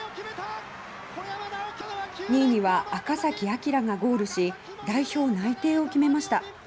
２位は赤崎暁がゴールし代表内定を決めました。